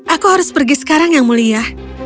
aku harus pergi sekarang yang mulia